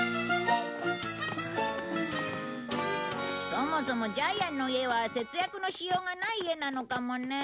そもそもジャイアンの家は節約のしようがない家なのかもね。